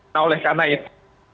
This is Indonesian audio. nah oleh karena itu